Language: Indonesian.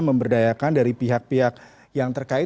memberdayakan dari pihak pihak yang terkait